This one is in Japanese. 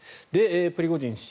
プリゴジン氏